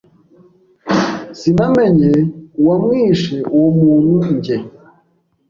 sinamenye uwamwishe uwo muntu njye